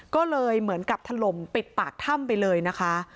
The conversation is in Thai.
ก็เลยเหมือนกับถล่มปิดปากถ้ำไปเลยนะคะ